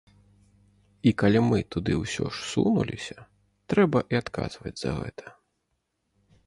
І калі мы туды ўсё ж сунуліся, трэба і адказваць за гэта.